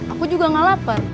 aku juga nggak lapar